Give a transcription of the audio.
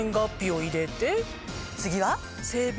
次は！